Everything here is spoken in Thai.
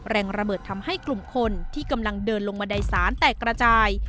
แรงระเบิดทำให้กลุ่มคนที่กำลังเดินลงบันไดสารแตกระจาย